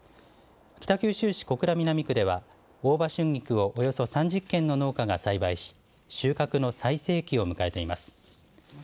北九州市小倉南区では大葉春菊をおよそ３０軒の農家が栽培し収穫の最盛期を迎えています。